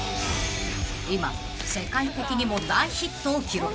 ［今世界的にも大ヒットを記録］